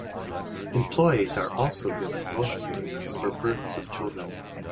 Employees are also given bonus payments for births of children.